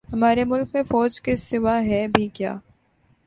ہمارے ملک میں فوج کے سوا ھے بھی کیا